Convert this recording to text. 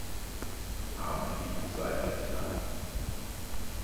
Die Arme liegen seitlich an.